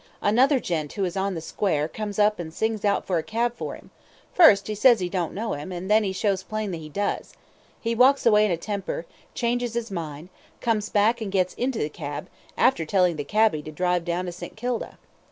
Another gent who is on the square comes up and sings out for a cab for him first he says he don't know him, and then he shows plainly he does he walks away in a temper, changes his mind, comes back and gets into the cab, after telling the cabby to drive down to St. Kilda.